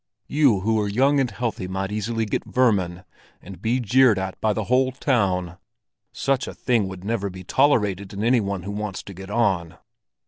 You who are young and healthy might easily get vermin, and be jeered at by the whole town; such a thing would never be tolerated in any one who wants to get on.